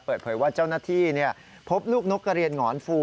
เปิดเผยว่าเจ้าหน้าที่พบลูกนกกระเรียนหงอนฟู